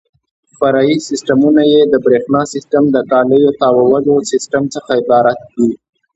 فرعي سیسټمونه یې د برېښنا سیسټم او د کالیو تاوولو سیسټم څخه عبارت دي.